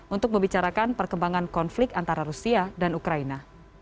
untuk membicarakan perkembangan konflik antara rusia dan ukraina